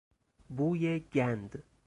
بوی گند